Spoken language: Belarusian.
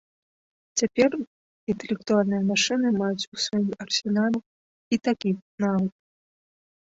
Цяпер інтэлектуальныя машыны маюць у сваім арсенале і такі навык.